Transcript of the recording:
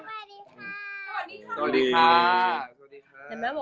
สวัสดีครับ